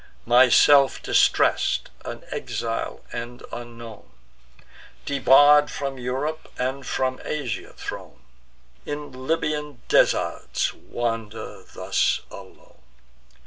Myself distress'd, an exile, and unknown, Debarr'd from Europe, and from Asia thrown, In Libyan deserts wander thus alone."